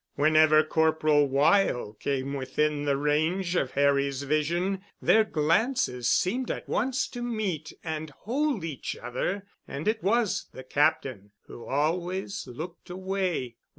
Whenever Corporal Weyl came within the range of Harry's vision, their glances seemed at once to meet and hold each other and it was the Captain who always looked away.